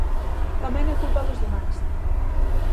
Tamén é culpa dos demais.